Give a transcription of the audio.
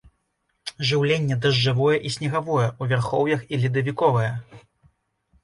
Жыўленне дажджавое і снегавое, у вярхоўях і ледавіковае.